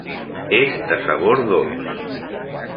És de sabor dolç.